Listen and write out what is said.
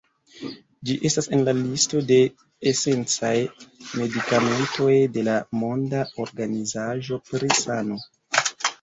Ĝi estas en la listo de esencaj medikamentoj de la Monda Organizaĵo pri Sano.